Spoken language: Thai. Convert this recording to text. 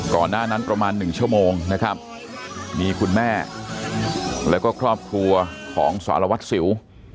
หน้านั้นประมาณ๑ชั่วโมงนะครับมีคุณแม่แล้วก็ครอบครัวของสารวัตรสิว